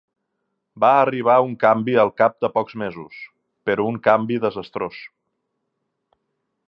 Va arribar un canvi al cap de pocs mesos, però un canvi desastrós.